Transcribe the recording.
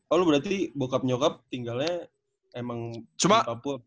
oh lo berarti bokap nyokap tinggalnya emang di papua